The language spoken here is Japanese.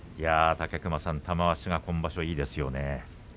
武隈さん玉鷲の今場所いいですよね。